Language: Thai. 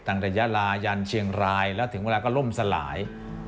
ตั้งแต่ยาลายันเชียงรายแล้วถึงเวลาก็ล่มสลาย